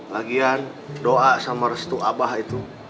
lagian doa sama restu abah itu